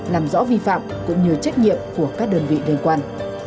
làm rõ vi phạm cũng như trách nhiệm của các đơn vị liên quan